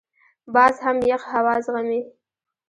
باز هم یخ هوا زغمي